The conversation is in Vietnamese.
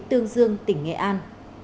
tương dương tỉnh nghệ an